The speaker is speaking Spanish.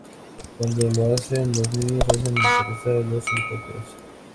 Cuando lo hacen, los niños hacen aterrizar a los helicópteros.